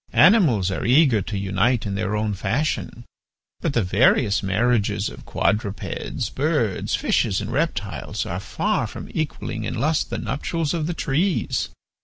Animals are eager to unite in their own fashion, but the various marriages of quadrupeds, birds, fishes, and reptiles are far from equalling in lust the nuptials of the trees.